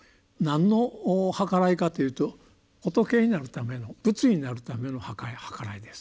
何の「はからい」かというと仏になるための仏になるための「はからい」です。